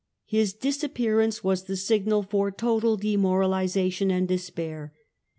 His disappearance was the signal for total demorahsation and despair.